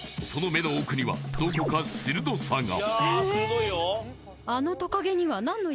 その目の奥にはどこか鋭さが！